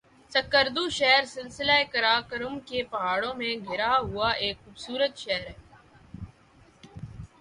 سکردو شہر سلسلہ قراقرم کے پہاڑوں میں گھرا ہوا ایک خوبصورت شہر ہے